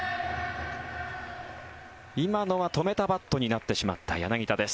今のは止めたバットになってしまった柳田です。